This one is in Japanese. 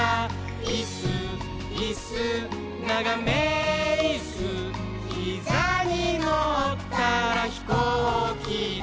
「いっすーいっすーながめいっすー」「ひざにのったらひこうきだ」